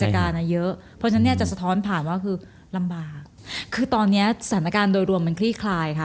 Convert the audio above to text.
เหรอเยอะเพราะฉะนั้นจะสะท้อนผ่านว่าคือคือลำบากคือตอนนี้ศะนาการโดยรวมมันคลี่คลายค่ะ